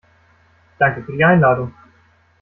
Danke für die Einladung.